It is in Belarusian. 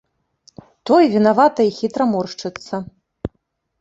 Той вінавата і хітра моршчыцца.